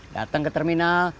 dateng ke terminal